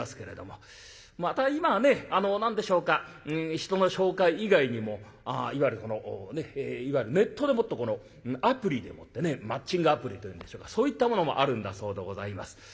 また今はねあの何でしょうか人の紹介以外にもいわゆるこのねいわゆるネットでもってこのアプリでもってねマッチングアプリというんでしょうかそういったものもあるんだそうでございます。